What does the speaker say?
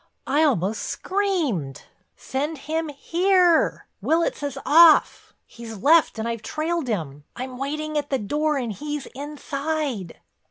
I almost screamed: "Send him here. Willitts is off; he's left and I've trailed him. I'm waiting at the door and he's inside."